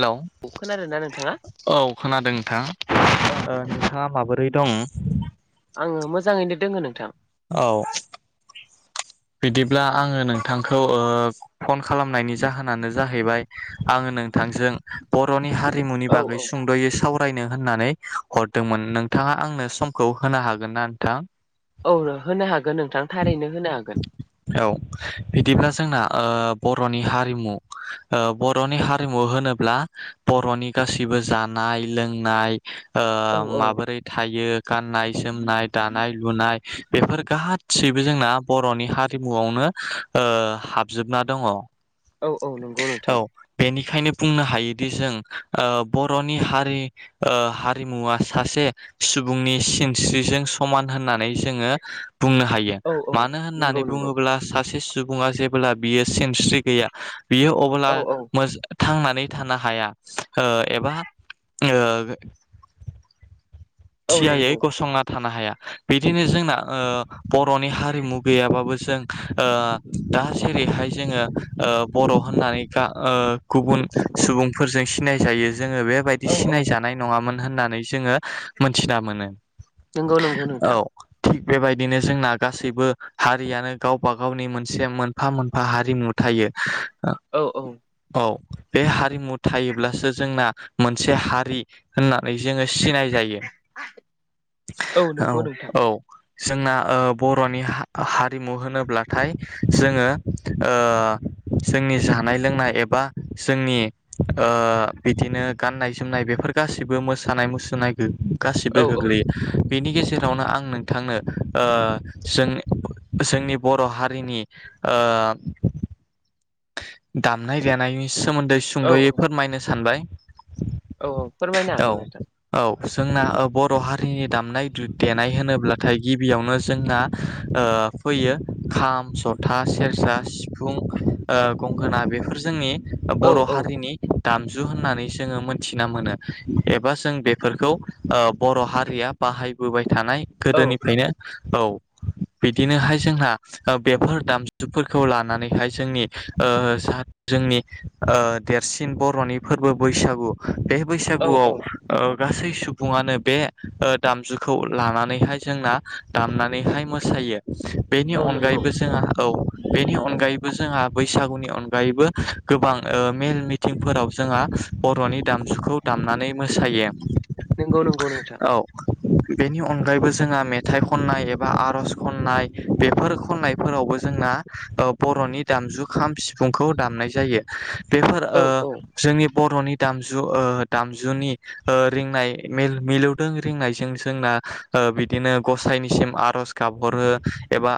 हेल' औ खोनादोंना नोंथाङा औ खोनादों नोंथां ओ नोंथाङा माबोर दैै दं आङो मोजाङैनो दोङो नोंथां। औ बिदिब्ला आङो नोंथांखौ ओ फन खालामनायनि जाहोनानो जाहैबाय आङो नोंथांजों बर'नि हारिमुनि औ बागै सुंद'यै सावराय सावरायनो होननानै हरदोंमोन नोंथाङा आंनो समखौ होनो हागोन ना नोंथां? औ होनो हागोन नोंथां थारैनो। होनो हागोन औ बिदिब्ला जोंना ओ बर'नि हारिमु बर'नि हारिमु होनोब्ला बर'नि गासिबो बो जानाय लोंनाय ओ औ औ माबोरै थायो गाननाय जोमनाय दानाय लुनाय बेफोर गाहाय गसिबो जोंना बर'नि हारिमुआवनो ओ हाबजोबना दङ। औ औ नंगौ नोंथां बेखायनो बुंनो हायोदि जों बर'नि हारि ओ हारिमुवा सासे सुबुंनि सिनस्रिजों समान होननानै जोङो बुंनो हायो औ औ मानो नंगौ होननानै नंगौ बुङोब्ला सासे सुबुङा जेब्ला बियो सिन्स्रि गैया बियो अब्ला औ औ थांनानै थानो हाया ओ एबा ओ औ थियायै नंगौ गसंना थानो हाया बिदिनो जोंना ओ बर'नि हारिमु गैयाबाबो जों ओ दा जेरै जेरैहाय जोङो बर' होननानै गुबुन सुबुंफोरजों सिनाय जायो जोङो बेबायदि औ औ सिनाय जानाय नङामोन होननानै जोङो मोनथिना मोनो। नंगौ नंगौ औ नोंथां। थिग बेबायदिनो जोंना गासैबो हारियानो गावबा गावनि मोनसे मोनफा मोनफा हारिमु थायो। [inaudible] औ औ। औ बे हारिमु थायोब्लासो जोंना मोनसे हारि होननानै जोङो सिनाय जायो। औ नंगौ औ नोंथां औ जोंना ओ बर'नि हारिमु होनोब्लाथाय जोङो ओ जोंनि जानाय लोंनाय एबा जोंनि ओ बिदिनो गाननाय जोमनाय बे बेफोर गासैबो मोसानाय मुसुरनाय औ गासिबो औ गोग्लैयो बेनि गेजेरावनो आं नोंथांनो ओ जों जोंनि बर' हारिनि ओ दामनाय देनायनि सोमोन्दै औ सुंद'यै फोरमायनो सानबाय औ औ फोरमायनो औ हागोन नोंथां। औ जोंना बर' हारिनि दामनाय देनाय होनोब्लाथाय गिबियावनो जोंना ओ ओ फैयो खाम जथा सेरजा सिफुं ओ गंगोना बेफोर जोंनि औ बर' औ हारिनि दामजु होननानै जोङो मोनथिना मोनो एबा जों बेफोरखौ ओ बर' हारिया बाहायबोबाय थानाय औ गोदोनिफ्रायनो औ बिदिनोहाय जोंहा बेफोर दामजुफोरखौ लानानैहाय जोंनि ओ सात जोंनि ओ देरसिन बर'नि फोरबो बैसागु बे औ बैसागुआव औ ओ गासै सुबुङानो बे ओ दामजुखौ लानानैहाय जोंना दामनानैहाय मोसायो। बेनि नंगौ अनगायैबो जोंहा औ बेनि अनगायैबो जोंहा बैसागुनि अनगायैबो गोबां ओ मेल मिटिंफोराव जोंहा बर'नि दामजुखौ दामनानै मोसायो नंगौ नंगौ नोंथां औ बेनि अनगायैबो जोंहा मेथाइ खननाय एबा आर'ज खननाय बेफोर खननायफोरावबो जोंना बर'नि दामजु सिफुंखौव दा‌मनाय जायों बेफोर औ आ औ जोंनि बर'नि दामजु दामजुनि र मिलौदों रिनायजों जोंना बिदिनो गसाइनिसिम आर'ज गाबहरो एबा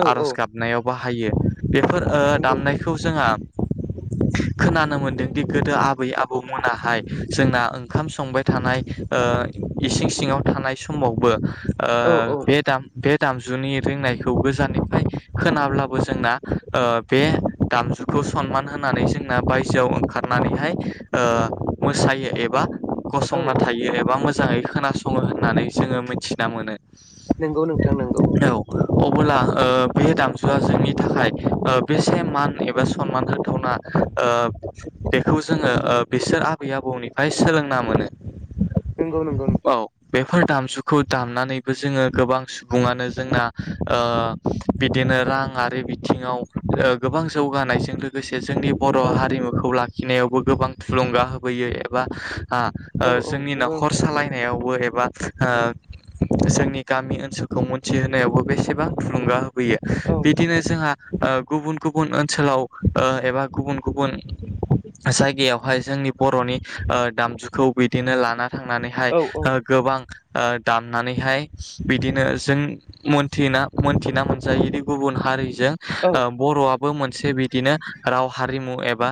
औ औ आर'ज गाबनायाव बाहायो बेफोर आ नंगौ दामनायखौ जोंहा खोनानो मोनदोंदि गोदो आबै आबौमोनाहाय जोंना ओंखाम संबाय थानाय इसिं सिङाव थानाय समावबो औ आ औ बे दाम बे दामजुनि रिंनायखौ गोजाननिफ्राय खोनाब्लाबो जोंना ओ बे दामजुखौ सनमान होनानै जोंना बायजोआव ओंखारनानैहाय ओ मो सायो एबा औ गसंना औ थायो एबा मोजाङै खोनासङो होननानै जोङो मिथिना मोनो। नंगौ नोंथां नंगौ। अब्ला बे ओ दामजुआ जोंनि थाखाय ओ बेसे मान एबा सनमान होथावना ओ बेखौ जोङो ओ बिसोर आबै आ बौनिफ्राय सोलोंना मोनो। नंगौ नंगौ नोंथां। फोर दामजुखौ दामनानैबो जोङो गोबां सुबुङानो जोंना ओ बिदिनो रांङारि बिथिङाव ओ गोबां जौगानायजों लोगोसे जोंनि बर' औ हारिमुखौ ला खिनायावबो गोबां थुलुंगा होबोयो एबा औ ओ औ जोंनि नंगौ न'खर नोंथां सालायनायावबो ए बा ओ जोंनि गामि ओनसोलखौ मोनथिहोनायावबो बेसेबां थुलुंगा हो फैयो औ बिदिनो जोंहा ओ गुबुन गुबुन ओनसोलाव ओ एबा गुबुन गुबुन जायगायावहाय जोंनि बर' नि ओ दामजुखौ बिदिनो लाना थांनानैहाय औ औ ओ गोबां ओ दामनानैहाय बिदिनो जों मोनथिना मोनथिना मोनजायोदि गुबुन हा हारिजों औ ओ बर'आबो मोनसे बिदिनो राव हारिमु एबा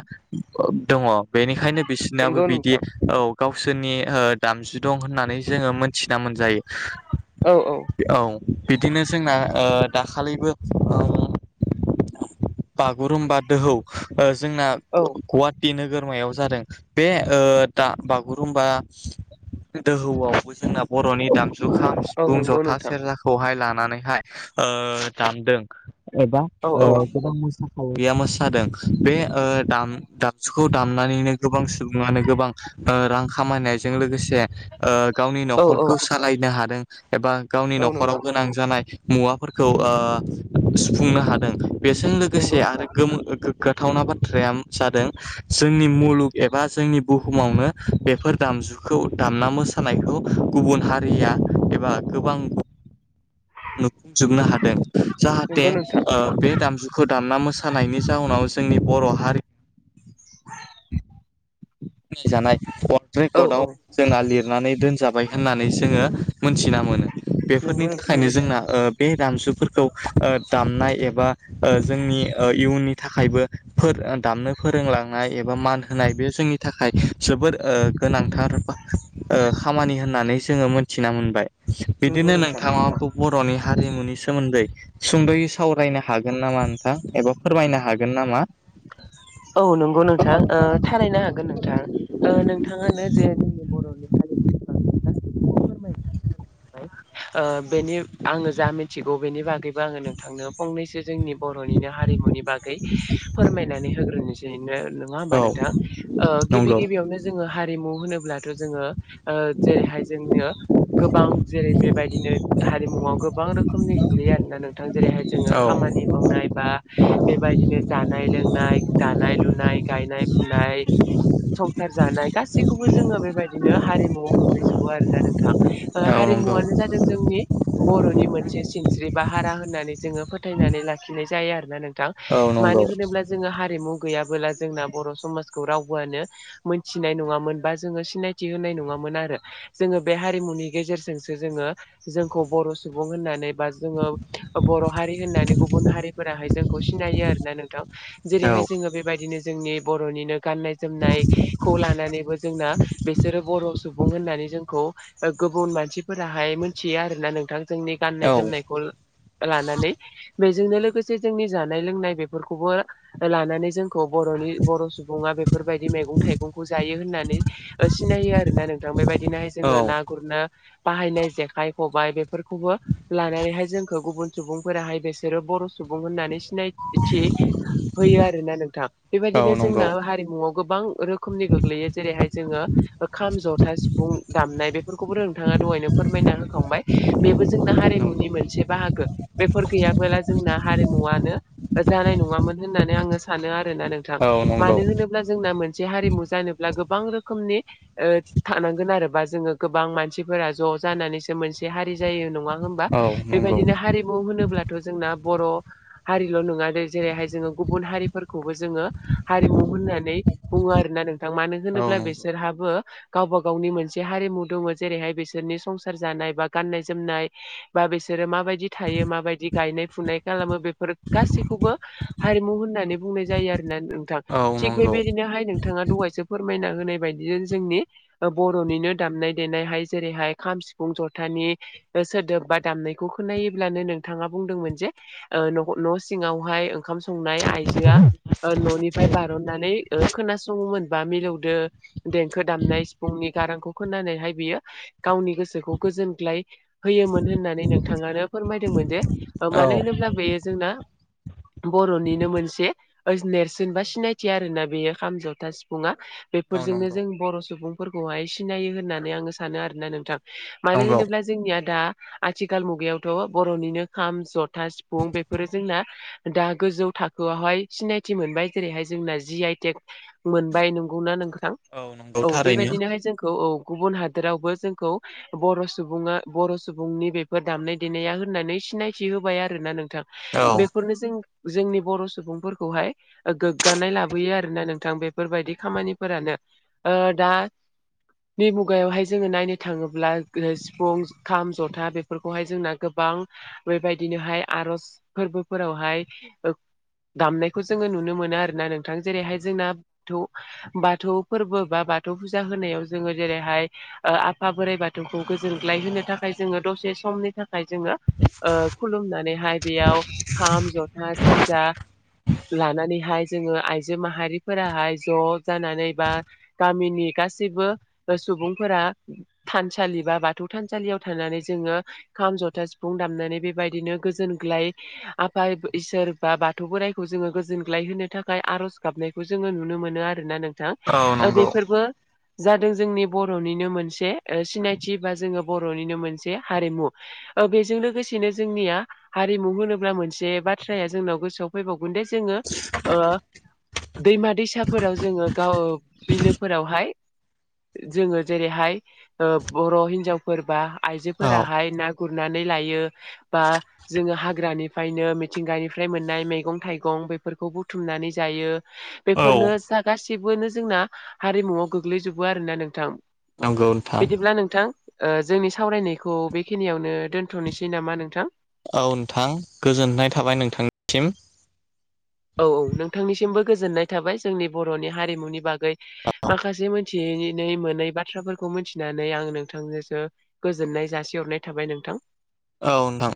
दङ बेनिखायनो बि बिसनाबो नंगौ बिदि नोंथां औ गावसोरनि ओ दामजु दं होननानै जोङो मोनथिना मोनजायो औ बिदिनो जोंना ओ दाखालिबो ओ बागुरुम्बा दोहौ जोंना औ गुवाहाटि नोगोरमायाव जादों। बे ओ दा बागुरुमबा दोहौआव जोंना जोंना बर'नि दाम जु खाम औ सिफुं नंगौ जथा नोंथां सेरजाखौहाय लानानैहाय ओ दानदों ओं औ ओ औ गोबां मोसाखाविया मोसादों बे ओ दाम दाबजुखौ दामनानैनो गोबां सुबुङानो गोबां रां खामायनायजों लोगो से ओ गावनि औ औ न'खरखौ सालायनो हादों एबा गावनि औ न'खराव नंगौ गोनां जानाय मुवाफोरखौ ओ सुफुंनो हादों। बेजों नंगौ लोगोसे आरो नोंथां गोमो गो गाथावना बाथ्राया जादों जोंनि मुलुग एबा जोंनि बुहुमावनो बेफोर दाम जुखौ दामना मोसानायखौ गुबुन हारिया एबा गोबां नुफुंजोबनो हादों जाहाथे नंगौ नोंथां ओ बे दामजुखौ दामना मोसानायनि जााहोनाव जोंनि बर' हारि [unintelligible] औ रेकर्डआव औ जोंहा लिरनानै दोनजादों। जाबाय होननानै जोङो मोनथिना मोनो। बेफोरनि नंगौ नोंथां थाखायनो जोंना ओ बे दामजुफोरखौ ओ दामनाय एबा ओ जोंनि ओ इयुननि थाखायबो फो दामनो फोरोंलांनाय एबा मान होनाय बे जोंनि थाखाय जोबोद ओ गोनांथार ओ खामानि होननानै जोङो मोनथिना मोनबाय। नंगौ बिदिनो नोंथां नोंथाङा बहुत बर'नि हारिमुनि सोमोन्दै सुंद'यै सावरायनो हागोन नामा नोंथां एबा फोरमायनो हागोन ना मा? औ नंगौ नोंथाङां ओ थारायनो हागोन ओ। नोंथां ओ नोंथाङानो जे जोंनि बर'नि हारिमु [inaudible] ओ बेनि आङो जा मिथिगौ बेनि बागैबो आङो नोंथांनो फंनैसो जोंनि बर' निनो हारिमुनि बागै फोरमायनानै हो ग्रोनोसै नो नङा होमबा औ नोंथां ओ गिबि नंगौ गिबियावनो जोङो हारिमु होनोब्लाथ जोङो ओ जेरैहाय जोंनो गोबां जेरै बेबायदिनो हारिमुआव गोबां रोखोमनि गोग्लैयो आरोना नोंथां जेरैहाय जोङो औ खामा खामानि मावनाय बा बेबायदिनो जानाय लोंनाय दानाय लुनाय गायनाय फुनाय संसार जानाय गाखौबो जोङो बेबायदि नो हारिमुआव गोग्लैजोबो आरो ना नोंथां ओ औ नंगौ हारिमुवानो जादों जोंनि बर'नि मोनसे सिन जेनेबा हारा होननानै जोङो फोथायनानै लाखिनाय जायो आरोना नोंथां औ मानो नंगौ होनोब्ला जों हारा न गैयाबोला जोंना बर' समाजखौ रावबोआनो मोनथिनाय नङामोन बा जोङो सिनायथि होनाय नङामोन आरो जोङो बे हारिमुनि गेजेरजोंसो जोङो जोंखौ बर' सुबुं होननानै बा जोङो बर' हारि होननानै गुबुन हारिफोराहाय जोंखौ सिनायो आरोना नोंथां औ जेरैहाय जोङो बेबायदिनो जोंनि बरनिनो गाननाय जोमनायखौ लानानैबो जोंना बिसोरो बर' सुबुं सुबुं होननानै जोंखौ ओ गुबुन मानसिफोराहाय मोनथियो आरोना नोंथां जोंनि औ गाननाय जोमनायखौ ला लानानै बेजोंनो लोगोसे जोंनि जानाय लोंनाय बेफोरखौबो लानानै नै जोंखौ बर'नि बर'नि बर' सुबुंआ बेफोरबायदि मैगं थाइगंखौ जायो होननानै सिनायो आरो ना नोंथां बेबायदिनोहाय जोङो औ ना गुरनो बाहायनाय जेखाइ खबाइ बेफोरखौबो लानानैहाय जोंखो गुबुन सुबुंफोराहाय बिसोरो बर' सुबुं सुबुं होननानै सिनायथि होयो आरो आरो ना नोंथां औ बेबायदिनो नंगौ जोंना हारिमुआव गोबां रोखोमनि गोग्लैयो जेरैहाय जोङो खा जथा सिफुं दामनाय बे खौबोथ नोंथाङा दहायनो फोरमायना होखांबाय बेबो जोंना नंगौ हारिमुनि मोन मोनसे बाहागो बेफोर गैयाबोला जोंना हारिमुआनो जानाय नङामोन होननानै आङो सा सानो आरोना नोंथां औ नंगौ मानो होनोब्ला जोंना मोनसे मोनसे हारिमु जानोब्ला गोबां रोखोमनि ओ थानांगोन आरोबा जोङो गोबां मानसिफोरा ज जानानैसो मोनसे हारि जायो नङा होमब्ला औ नंगौ बेबायदिनो हारिमु होनोब्लाथ जोंना बर' हारिल' नङा जेरैहाय जोङो गुबुन हारि फोरखौबो जोङो हारिमु होननानै बुङो आरोना नोंथां मानो औ होनोब्ला नंगौ बिसोरहाबो गावबा गावनि मोनसे हारिमु दङ जेरैहाय बिसोरनि संसार जानाय बा गान्नाय जोमनाय बा बिसोरो माबायदि दि थायो माबायदि गायनाय फुनाय खालामो बेफोर गासैखौबो हारिमु होननानै बुंनाय जायो आरोना नोंथां औ थिग नंगौ बेबायदिनोहाय नोंथाङा दहायसो फोरमायना होनाय बायदिजों जोंनि बरनिनो दामनाय देनायहाय जेरैहाय खाम सिफुं जथानि सोदोब बा दामनायखौ खोनायोब्लानो नोंथाङा बुंदोंमोन जे ओ न सिङावहाय ओंखाम संनाय आइजोआ ओ ननिफ्राय बारननानै ओ खोनासङोमोनबा मिलौदो देंखो दामनाय सिफुंनि गारांखौ खोनानैहाय बियो गावनि गोसोखौ गोजोनग्लाय होयोमोन होननानै नोंथाङानो फोरमायदोंमोन जे ओ औ मानो होनोब्ला बेयो जोंना बर' निनो मोनसे से नेरसोन बा सिनायथि आरोना बेयो खाम जथा सिफुङा बेफोरजोंनो नंगौ जों बर' सुबुंफोरखौहाय सिनायो होननानै आङो सानो आरोना नोंथां मानो नंगौ होनोब्ला जोंनिया दा आथिखाल मुगायावथ बरनिनो खाम जथा सिफुं बेफोरो जोंना दा गोजौ थाखो खौहाय सिनायथि मोनबाय जेरैहाय जोंना जि आइटेक मोनबाय नोंगौना नोंथां थां औ नंगौ औ थारैनो बेबायदिनोहाय जोंखौ औ गुबुन हादोरावबो जोंखौ बर सुबुङा बर सुबुंनि बेफोर दामनाय देनाया होननानै सिनायथि होबाय आरोना नोंथां औ बेफोरनो जों जनि बर सुबुंफोरखौहाय ओ गोग्गानाय लाबोयो आरोना नोंथां बेफोरबायदि खामानिफोरानो ओ दा। नि मुगायावहाय जोङो नायनो थाङोब्ला सिफुं खाम जथा बेफोरखौहाय जोंना गोबां। बां बेबायदिनोहाय आर'ज फोरबोफोरावहाय। दामनायखौ जोङो नुनो मोनो आरोना नोंथां जेरैहाय जोंना थौ बाथौ फोरबो बा। बाथौ फुजा होनायाव जोङो जेरैहाय आफा बोराइ बाथौखौ गोजोनग्लाय होनो थाखाय जोङो दस। सेसमनि थाखाय जोङो ओ खुलुमनानैहाय बेयाव खाम जथा सेरजा। लानानैहाय जोङो आइजो माहारिफोराहाय ज' जानानै बा गामिनि। गासैबो सुबुंफोरा थानसालि बा बाथौ थानसालियाव थानानै जोङो। खाम जथा सिफुं दामनानै बेबायदिनो गोजोनग्लाय आफा इसोर बा बाथौ। थौ बोराइखौ जोङो गोजोनग्लाय होनोनो थाखाय आर'ज गाबनायखौ जोङो नुनो मोनो आरोना नों। थां औ ओ नंगौ बेफोरबो। जादों जोंनि बर'निनो मोनसे सिनायथि बा जोङो बर'निनो मोनसे हारिमु। ओ बेजों लोगोसेनो जोंनिया हारिमु होनोब्ला मोनसे बाथ्राया जोंनाव गोसोआव। फैबावगोन दे जोङो ओ। दैमा दैसाफोराव जोङो गाव बिलोफोरावहाय। जोङो जेरैहाय ओ बर' हिनजावफोर बा औ आइजोफोराहाय ना। गुरनानै लायो बा जोङो हाग्रानिफ्रायनो मिथिंगानिफ्राय मोननाय मै। गं थाइगं बेफोरखौ बुथुमनानै जायो औ बेफोरनो जागासि। थिग बिदिनो जोंना हारिमुवआव गोग्लैजोबो आरोना नोंथां नंगौ नोंथां बिदिब्ला नोंथां। ओ जोंनि सावरायनायखौ बेखिनियावनो दोनथ'नोसै नामा नोंथां। औ नोंथां गोजोननाय थाबाय नोंथांनिसिम। औ औ नोंथांनिसिमबो गोजोननाय थाबाय जोंनि बर'नि हारिमुनि बागै माखासे मोन। थिनै मोनै बाथ्राफोरखौ मिथिनानै आं नोंथांजोंसो गोजोननाय जासिहरनाय थाबाय नोंथां। औ नोंथां।